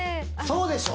そうでしょ？